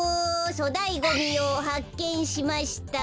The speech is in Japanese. そだいゴミをはっけんしました。